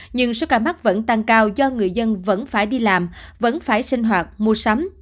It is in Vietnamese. nhưng số ca mắc vẫn tăng cao do người dân vẫn phải đi làm vẫn phải sinh hoạt mua sắm